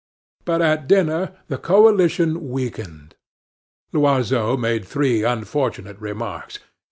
But at dinner the coalition weakened. Loiseau made three unfortunate remarks.